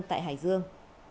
tại hải dương